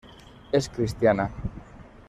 Es cristiana.